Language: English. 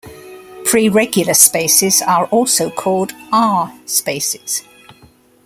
Preregular spaces are also called "R spaces".